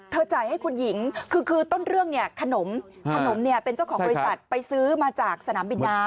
จ่ายให้คุณหญิงคือคือต้นเรื่องเนี่ยขนมขนมเนี่ยเป็นเจ้าของบริษัทไปซื้อมาจากสนามบินน้ำ